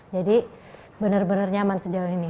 jadi benar benar nyaman sejauh ini